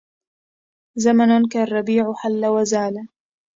زمن كالربيع حل وزالا